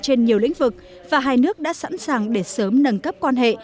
trên nhiều lĩnh vực và hai nước đã sẵn sàng để sớm nâng cấp quan hệ